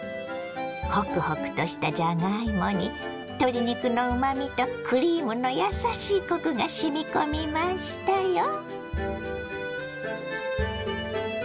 ホクホクとしたじゃがいもに鶏肉のうまみとクリームのやさしいコクがしみ込みましたよ。